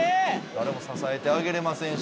誰も支えてあげれませんし。